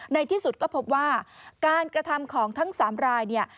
ในที่สุดก็พบว่าการกระทำของทั้ง๓รายเนี่ย